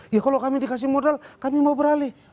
ya kalau kami dikasih modal kami mau beralih